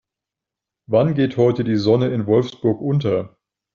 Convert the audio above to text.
Wann geht heute die Sonne in Wolfsburg unter?